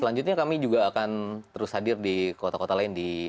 selanjutnya kami juga akan terus hadir di kota kota lain di asia tenggara